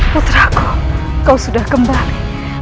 putra aku kau sudah kembali